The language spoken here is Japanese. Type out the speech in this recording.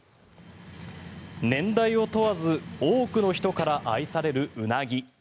年代を問わず多くの人から愛されるウナギ。